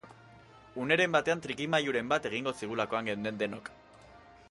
Uneren batean trikimailuren bat egingo zigulakoan geunden denok.